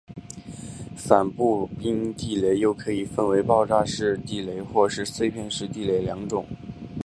反步兵地雷又可以分为爆炸式地雷或是碎片式地雷二种。